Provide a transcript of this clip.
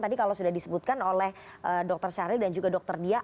tadi kalau sudah disebutkan oleh dr syahril dan juga dr dia